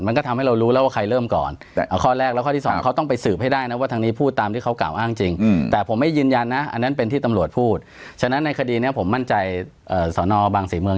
มันก็ทำให้เรารู้แล้วว่าใครเริ่มก่อน